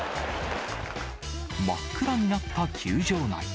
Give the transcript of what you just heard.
真っ暗になった球場内。